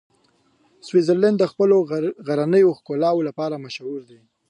سویټزرلنډ د خپلو غرنیو ښکلاوو لپاره مشهوره دی.